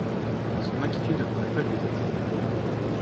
Son inquiétude n’a pas lieu d’être.